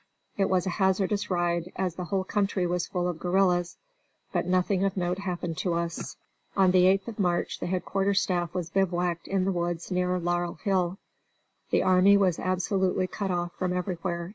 It was a hazardous ride, as the whole country was full of guerrillas. But nothing of note happened to us. On the 8th of March the headquarters staff was bivouacked in the woods near Laurel Hill. The army was absolutely cut off from everywhere.